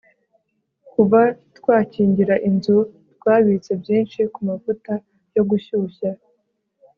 kuva twakingira inzu twabitse byinshi kumavuta yo gushyushya